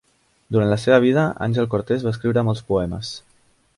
Durant la seva vida Àngel Cortès va escriure molts poemes.